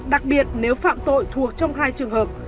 đặc biệt nếu phạm tội thuộc trong hai trường hợp